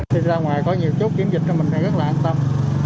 đi ra ngoài có nhiều chút kiểm dịch thì mình sẽ rất là an tâm